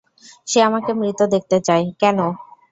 সে আমাকে মৃত দেখতে চায়, কেন?